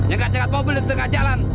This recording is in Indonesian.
jengkat jengkat mobil di tengah jalan